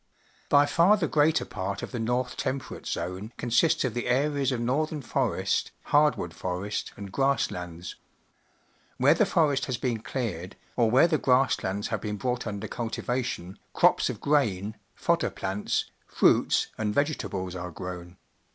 By fai^he greater part of the North Tem perate Zone consists of the areas of northern forest, hardwood forest, and grass lands. Where the forest has been cleared, or where the grass lands have been brought mider cultivation, crops of grain, fodder plants, fruits, and vegetables are grown.